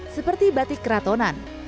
seperti batik keratonan